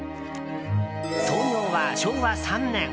創業は昭和３年。